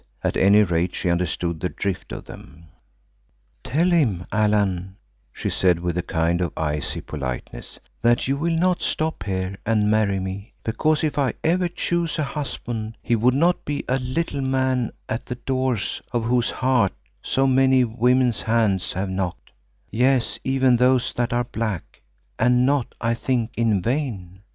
At any rate she understood the drift of them. "Tell him, Allan," she said with a kind of icy politeness, "that you will not stop here and marry me, because if ever I chose a husband he would not be a little man at the doors of whose heart so many women's hands have knocked—yes, even those that are black—and not, I think, in vain.